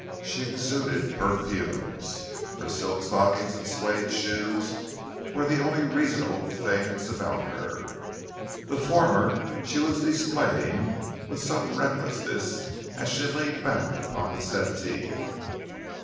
She exuded perfumes. Her silk stockings and suede shoes were the only reasonable things about her. The former she was displaying with some recklessness as she leaned back upon the settee.